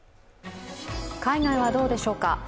海外はどうでしょうか。